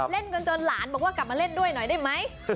เล่นกันจนหลานบอกว่ากลับมาเล่นด้วยหน่อยได้ไหม